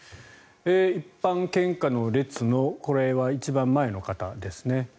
一般献花の列のこれは一番前の方ですね。